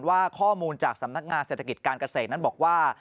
ว่าข้อมูลจากสำนักงานเศรษฐกิจการเกษตรนั้นบอกว่า